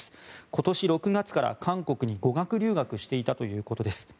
今年６月から韓国に語学留学していたということです。